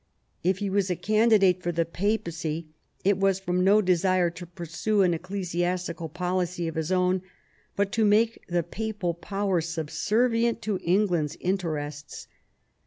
If he was a candidate for the Papacy, it was jl/ from no desire to pursue an ecclesiastical policy of his it own, but to make the papal power subservient to England's interests.